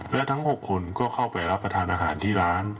และทั้ง๖คนก็เข้าไปรับประทานอาหารที่ร้าน